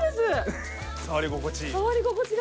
触り心地？